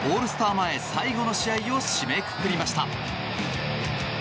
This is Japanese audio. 前最後の試合を締めくくりました。